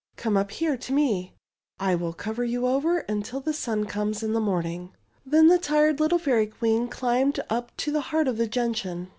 Come up here to me. I wifl cover you over until the sun comes in the morning." Then the tired little Fairy Queen climbed up to the heart of the gentian.